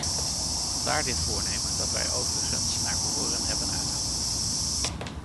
Vandaar dit voornemen, dat wij overigens naar behoren hebben uitgevoerd.